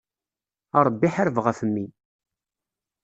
A Ṛebbi ḥareb ɣef mmi.